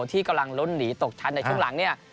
ที่กำลังลุ้นหนีตกชั้นในช่วงหลังเนี่ย